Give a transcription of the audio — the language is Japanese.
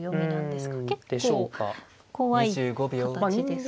結構怖い形ですけど。